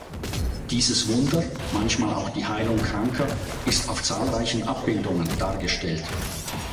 Dieses Wunder, manchmal auch die Heilung Kranker, ist auf zahlreichen Abbildungen dargestellt.